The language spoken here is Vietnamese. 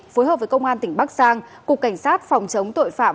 phối hợp với công an tỉnh bắc giang cục cảnh sát phòng chống tội phạm